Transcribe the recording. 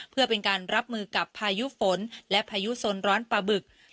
เพื่อเป็นการรับมือกับพายุฝนและพายุโซนร้อนปลาบึก